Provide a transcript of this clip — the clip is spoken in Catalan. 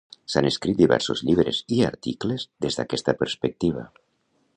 S'han escrit diversos llibres i articles des d'aquesta perspectiva.